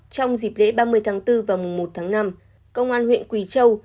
trong dịp lễ ba mươi tháng bốn và mùa một tháng năm công an huyện quỳ châu